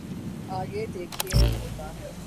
آگے دیکھئے ہوتا ہے۔